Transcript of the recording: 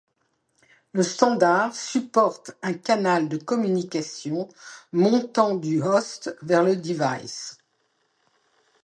Le standard supporte un canal de communication montant du host vers le device.